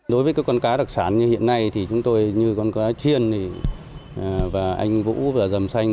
đối với các con cá đặc sản như hiện nay thì chúng tôi như con cá chiên thì và anh vũ và dầm xanh